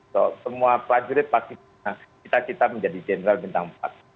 semua prajurit pasti kita kita menjadi general bintang empat